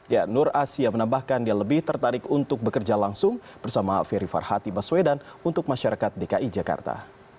ya nur asia menambahkan dia lebih tertarik untuk bekerja langsung bersama ferry farhati baswedan untuk masyarakat dki jakarta